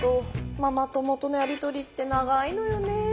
ママ友とのやり取りって長いのよね。